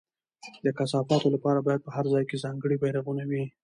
د کثافاتو لپاره باید په هر ځای کې ځانګړي بېرغونه وي.